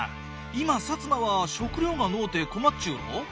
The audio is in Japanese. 今摩は食料がのうて困っちゅうろう？